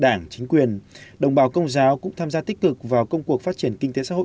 đảng chính quyền đồng bào công giáo cũng tham gia tích cực vào công cuộc phát triển kinh tế xã hội